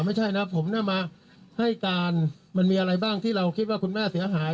ไม่ใช่นะผมน่ะมาให้การมันมีอะไรบ้างที่เราคิดว่าคุณแม่เสียหาย